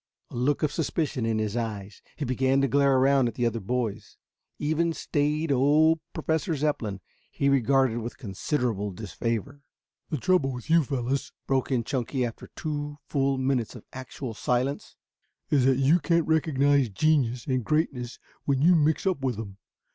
A look of suspicion in his eyes, he began to glare around at the other boys. Even staid old Professor Zepplin he regarded with considerable disfavor. "The trouble with you fellows," broke in Chunky, after two full minutes of actual silence, "is that you can't recognize genius and greatness when you mix up with them.